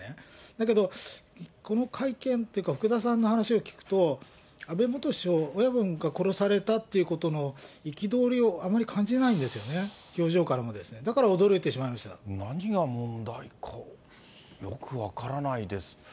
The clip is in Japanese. だけど、この会見っていうか、福田さんの話を聞くと、安倍元首相、親分が殺されたっていうことの憤りをあまり感じないんですよね、表情からも、何が問題か、よく分からないです。